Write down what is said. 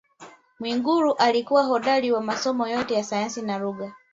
Mwigulu alikuwa hodari wa masomo yote ya sayansi na lugha